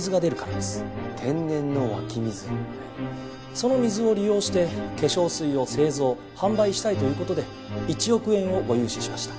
その水を利用して化粧水を製造販売したいという事で１億円をご融資しました。